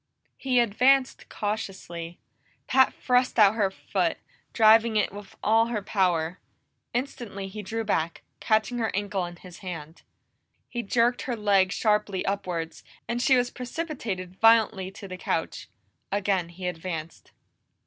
He advanced cautiously; Pat thrust out her foot, driving it with all her power. Instantly he drew back, catching her ankle in his hand. He jerked her leg sharply upwards, and she was precipitated violently to the couch. Again he advanced.